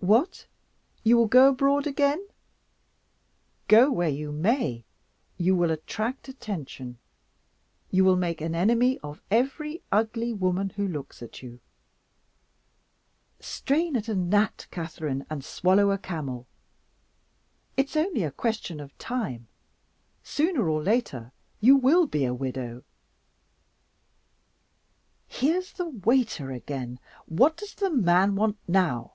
What? You will go abroad again? Go where you may, you will attract attention; you will make an enemy of every ugly woman who looks at you. Strain at a gnat, Catherine, and swallow a camel. It's only a question of time. Sooner or later you will be a Widow. Here's the waiter again. What does the man want now?"